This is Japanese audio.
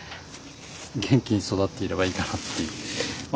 元気に育っていればいいかなっていうまあ